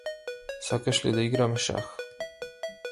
Сакаш ли да играме шах?